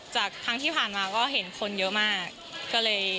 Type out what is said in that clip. ครั้งที่ผ่านมาก็เห็นคนเยอะมากก็เลย